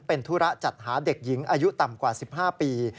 เป็นธุระจัดหาเด็กหญิงอายุต่ำกว่า๑๕ปี